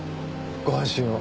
ご安心を。